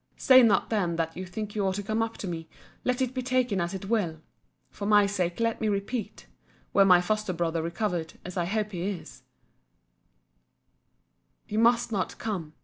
Say not then that you think you ought to come up to me, let it be taken as it will:—For my sake, let me repeat, (were my foster brother recovered, as I hope he is,) you must not come.